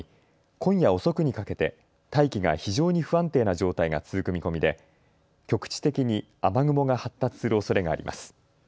今夜遅くにかけて大気が非常に不安定な状態が続く見込みで局地的に雨雲が発達するおそれがあります。